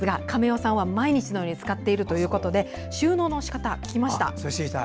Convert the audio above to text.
さんは毎日のように使っているということで収納のしかたを聞きました。